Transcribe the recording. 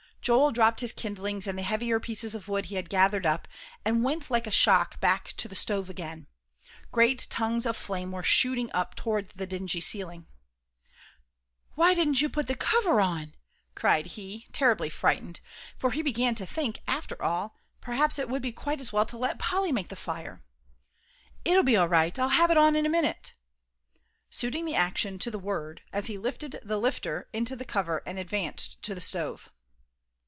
Joel dropped his kindlings and the heavier pieces of wood he had gathered up, and went like a shot back to the stove again. Great tongues of flame were shooting up toward the dingy ceiling. "Why didn't you put the cover on?" cried he, terribly frightened, for he began to think, after all, perhaps it would be quite as well to let Polly make the fire. "It'll be all right, I'll have it on in a minute," suiting the action to the word, as he stuck the lifter into the cover and advanced to the stove.